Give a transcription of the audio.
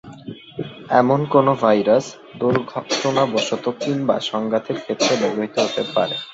এমন কোনো ভাইরাস দুর্ঘটনাবশত কিংবা সংঘাতের ক্ষেতে ব্যবহৃত হতে পারে।